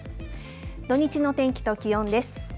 土日の天気と気温です。